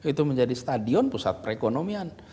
itu menjadi stadion pusat perekonomian